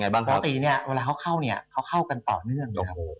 ปกติเนี่ยเวลาเขาเข้าเนี่ยเขาเข้ากันต่อเนื่องนะครับ